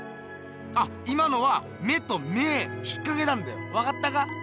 あっ今のは目と芽引っかけたんだよわかったか？